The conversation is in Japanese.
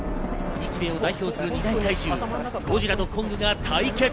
日米を代表する二大怪獣ゴジラとコングが対決。